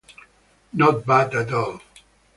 Not bad at all.